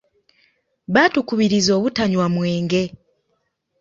Baatukubiriza obutanywa mwenge.